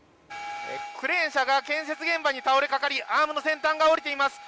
クレーン車が建設現場に倒れ掛かりアームの先端が折れています。